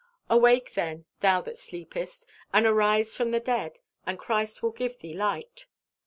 Awake, then, thou that sleepest, and arise from the dead, and Christ will give thee light.